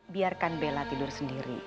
biarkan bella tidur sendiri